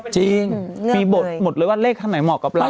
พีบทหมดวันเลขไหนเหมาะกับเรา